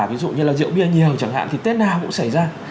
ví dụ như là rượu bia nhiều chẳng hạn thì tết nào cũng xảy ra